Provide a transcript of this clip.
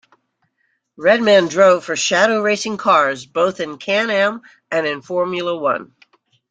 Redman drove for Shadow Racing Cars both in CanAm and in Formula One.